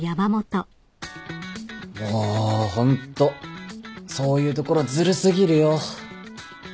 もうホントそういうところずる過ぎるよ。